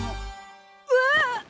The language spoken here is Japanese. うわあっ！